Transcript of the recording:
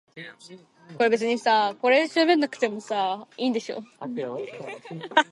The parish church of All Saints' is a Grade One listed building.